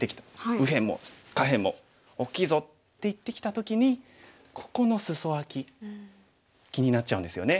「右辺も下辺も大きいぞ」って言ってきた時にここのスソアキ気になっちゃうんですよね。